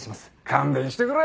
勘弁してくれよ。